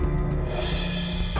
aku akan membunuhnya